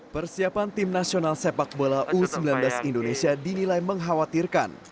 persiapan tim nasional sepak bola u sembilan belas indonesia dinilai mengkhawatirkan